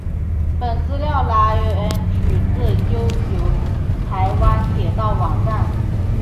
本资料来源取自悠游台湾铁道网站。